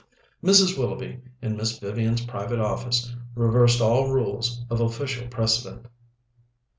V Mrs. Willoughby, in Miss Vivian's private office, reversed all rules of official precedent.